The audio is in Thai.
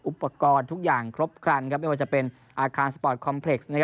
อุปกรณ์ทุกอย่างครบครันไม่ว่าจะเป็นอาคารสปอร์ตคอมเพล็กซ์